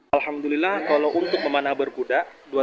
alhamdulillah kalau untuk memanah berkuda